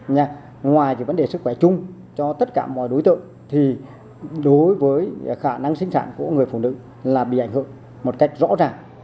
ngoài cái vấn đề sức khỏe chung cho tất cả mọi đối tượng thì đối với khả năng sinh sản của người phụ nữ là bị ảnh hưởng một cách rõ ràng